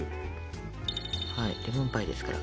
レモンパイですから。